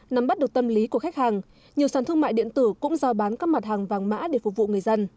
nắm bắt được tâm lý của khách hàng nhiều sản thương mại điện tử cũng giao bán các mặt hàng vàng mã để phục vụ người dân